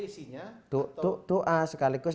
isinya doa sekaligus